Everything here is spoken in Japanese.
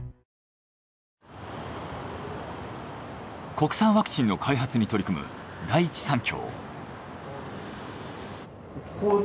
国産ワクチンの開発に取り組む第一三共。